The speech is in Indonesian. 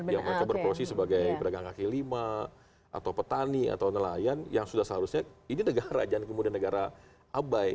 yang mereka berprosi sebagai pedagang kaki lima atau petani atau nelayan yang sudah seharusnya ini negara jangan kemudian negara abai